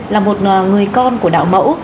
là một người con của đạo mẫu